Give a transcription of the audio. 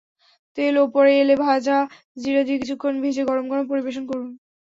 তেল ওপরে এলে ভাজা জিরা দিয়ে কিছুক্ষণ ভেজে গরম গরম পরিবেশন করুন।